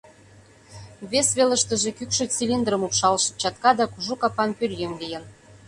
Вес велыштыже кӱкшӧ цилиндрым упшалше чатка да кужу капан пӧръеҥ лийын.